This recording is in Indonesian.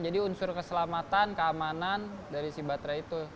jadi unsur keselamatan keamanan dari si baterai itu